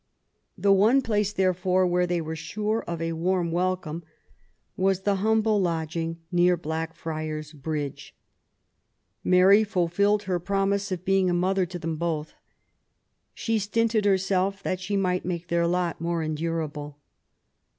The one place, therefore, where they were sure of a warm welcome was the humble lodging near Slackfriars' 74 MABY W0LL8T0NE0BAFT GODWIN. Bridge. Mary fulfilled her promise of being a mother to them both. She stinted herself that she might make their lot more endurable.